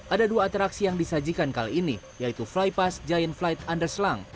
ada dua atraksi yang disajikan kali ini yaitu flypass giant flight underslang